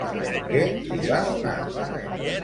Què li va donar?